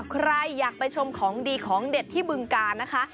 ใครอยากไปชมของดีของเด็ดที่บึงกาลนะคะ